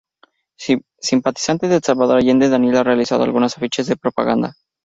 Simpatizante de Salvador Allende, Daniel ha realizado algunos afiches de propaganda.